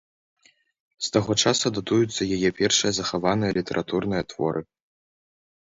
З таго часу датуюцца яе першыя захаваныя літаратурныя творы.